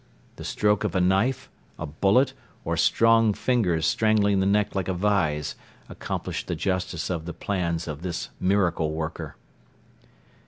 The stroke of a knife, a bullet or strong fingers strangling the neck like a vise accomplished the justice of the plans of this miracle worker.